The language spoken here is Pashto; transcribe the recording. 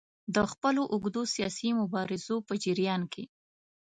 د خپلو اوږدو سیاسي مبارزو په جریان کې.